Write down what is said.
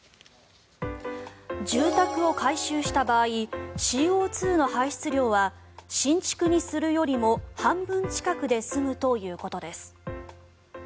住宅を改修した場合ＣＯ２排出量は新築にするよりも半分近くで済むということです。